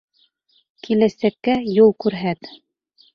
Киләсәккә юл күрһәт!